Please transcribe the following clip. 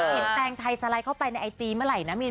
แตงไทยสไลด์เข้าไปในไอจีเมื่อไหร่นะมี